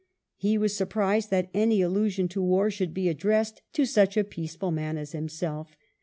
He was surprised that any allusion to war should be addressed to such a peaceful man as himself.